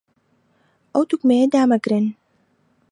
ئەو دوگمەیە دامەگرن.